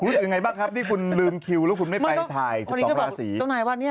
รู้สึกยังไงบ้างครับที่คุณลืมก็ทแล้วไม่ไปถ่ายตอนคลาเสีย